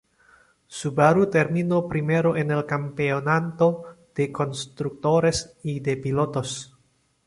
Subaru terminó primero en el campeonato de constructores y de pilotos.